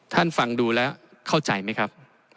ฟังดูแล้วเข้าใจไหมครับ